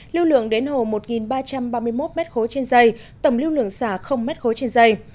lưu lượng đến hồ một ba trăm ba mươi một m ba trên dây tổng lưu lượng xả m ba trên dây